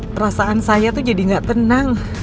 perasaan saya tuh jadi gak tenang